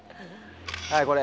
はいこれ。